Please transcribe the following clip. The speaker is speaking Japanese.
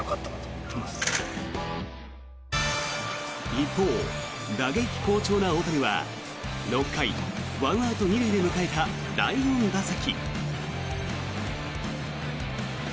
一方、打撃好調な大谷は６回、１アウト２塁で迎えた第４打席。